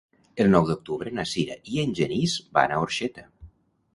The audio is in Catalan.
El nou d'octubre na Sira i en Genís van a Orxeta.